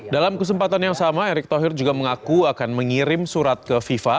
dalam kesempatan yang sama erick thohir juga mengaku akan mengirim surat ke fifa